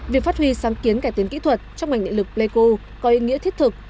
việc phát huy sáng kiến cải tiến kỹ thuật trong mảnh nghệ lực bleco có ý nghĩa thiết thực